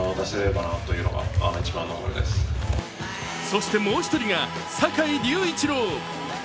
そして、もう１人が坂井隆一郎。